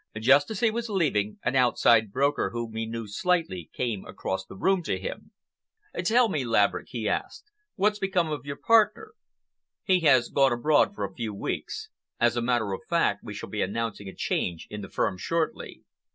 Just as he was leaving, an outside broker whom he knew slightly came across the room to him. "Tell me, Laverick," he asked, "what's become of your partner?" "He has gone abroad for a few weeks. As a matter of fact, we shall be announcing a change in the firm shortly."